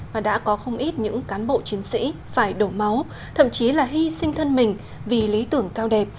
và đã có không ít những cán bộ chiến sĩ phải đổ máu thậm chí là hy sinh thân mình vì lý tưởng cao đẹp